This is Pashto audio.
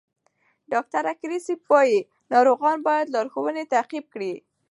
ډاکټر کریسپ وایي ناروغان باید لارښوونې تعقیب کړي.